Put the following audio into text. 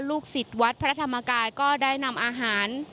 สิทธิ์วัดพระธรรมกายก็ได้นำอาหาร